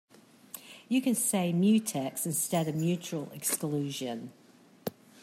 You can say mutex instead of mutual exclusion.